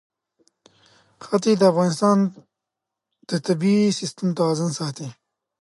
ښتې د افغانستان د طبعي سیسټم توازن ساتي.